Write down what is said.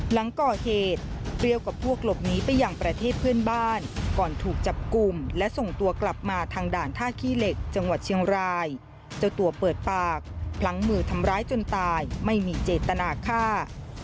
หลังก่อเหตุเปรี้ยวกับพวกหลบหนีไปอย่างประเทศเพื่อนบ้านก่อนถูกจับกลุ่มและส่งตัวกลับมาทางด่านท่าขี้เหล็กจังหวัดเชียงรายเจ้าตัวเปิดปากพลั้งมือทำร้ายจนตายไม่มีเจตนาฆ่า